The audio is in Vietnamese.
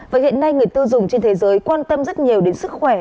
với hiện nay người tư dùng trên thế giới quan tâm rất nhiều đến sức khỏe